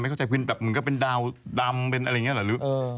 ไม่เข้าใจผิดมันก็เป็นกาวดำเป็นอะไรเงี้ยเหรอ